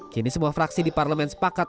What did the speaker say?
kini semua fraksi di parlemen sepakat